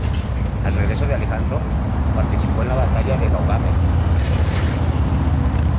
Al regreso de Alejandro, participó en la batalla de Gaugamela.